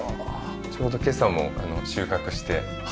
ちょうど今朝も収穫して食べました。